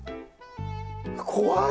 怖い！